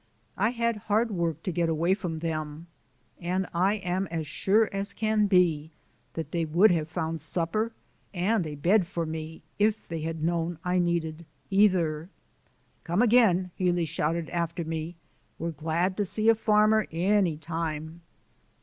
I had hard work to get away from them, and I am as sure as can be that they would have found supper and a bed for me if they had known I needed either. "Come agin," Healy shouted after me, "we're glad to see a farmer any toime."